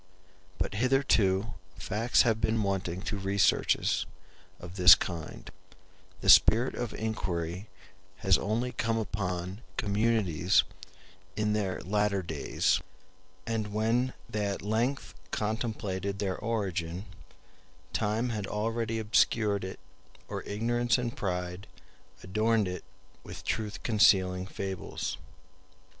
But hitherto facts have been wanting to researches of this kind: the spirit of inquiry has only come upon communities in their latter days; and when they at length contemplated their origin, time had already obscured it, or ignorance and pride adorned it with truth concealing fables.